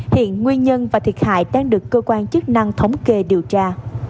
hiện nguyên nhân và thiệt hại đang được cơ quan chức năng thống kê điều tra